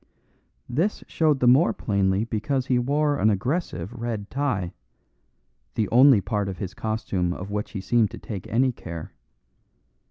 This showed the more plainly because he wore an aggressive red tie, the only part of his costume of which he seemed to take any care.